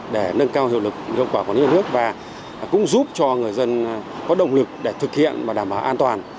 để nâng cao hiệu lực lượng quả quản lý nhà nước và cũng giúp cho người dân có động lực để thực hiện và đảm bảo an toàn